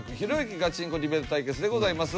ガチンコディベート対決でございます。